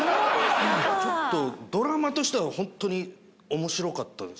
ちょっとドラマとしてはほんとに面白かったです。